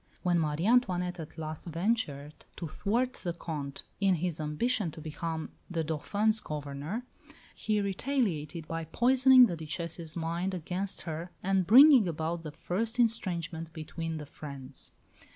When Marie Antoinette at last ventured to thwart the Comte in his ambition to become the Dauphin's Governor, he retaliated by poisoning the Duchesse's mind against her, and bringing about the first estrangement between the friends.